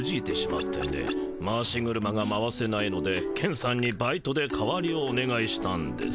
回し車が回せないのでケンさんにバイトで代わりをおねがいしたんです。